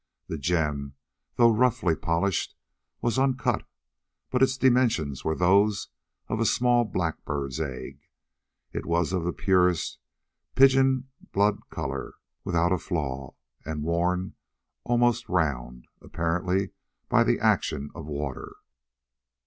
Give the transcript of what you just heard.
The gem, though roughly polished, was uncut, but its dimensions were those of a small blackbird's egg, it was of the purest pigeon blood colour, without a flaw, and worn almost round, apparently by the action of water.